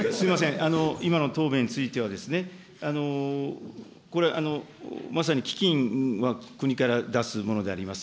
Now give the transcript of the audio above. すみません、今の答弁についてはですね、これ、まさに基金は国から出すものであります。